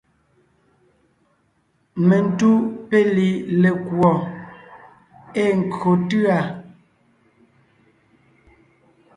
Mentúʼ péli lekùɔ ée nkÿo tʉ̂a.